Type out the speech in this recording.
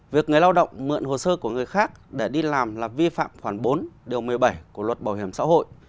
việc người lao động mượn hồ sơ của người khác để đi làm là vi phạm khoảng bốn điều một mươi bảy của luật bảo hiểm xã hội